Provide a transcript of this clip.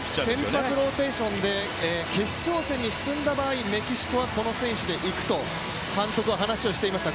先発ローテーションで決勝戦に進んだ場合、メキシコはこの選手でいくと監督は話をしていました。